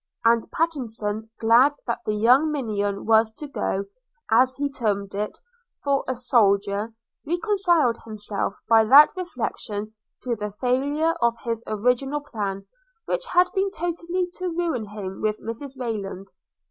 And Pattenson, glad that the young minion was to go, as he termed it, for a soldier, reconciled himself by that reflection to the failure of his original plan, which had been totally to ruin him with Mrs Rayland.